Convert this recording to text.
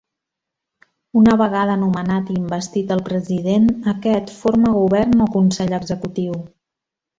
Una vegada nomenat i investit el President, aquest forma govern o consell executiu.